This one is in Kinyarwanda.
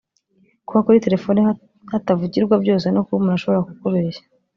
kuba kuri tefoni hatavugirwa byose no kuba umuntu ashobora kukubeshya